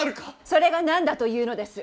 それが何だというのです！